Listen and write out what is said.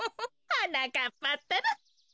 はなかっぱったら。